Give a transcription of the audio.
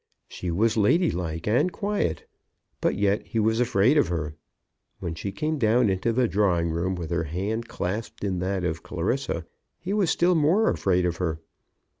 She was ladylike and quiet; but yet he was afraid of her. When she came down into the drawing room with her hand clasped in that of Clarissa, he was still more afraid of her.